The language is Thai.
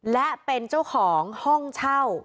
และเป็นเจ้าของห้องเช่า